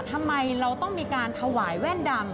ทำไมเราต้องมีการถวายแว่นดำ